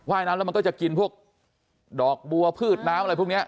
ยน้ำแล้วมันก็จะกินพวกดอกบัวพืชน้ำอะไรพวกนี้